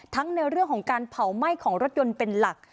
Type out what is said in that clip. ในเรื่องของการเผาไหม้ของรถยนต์เป็นหลัก